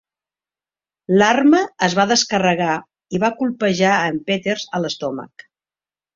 L'arma es va descarregar i va colpejar a en Peters a l'estómac.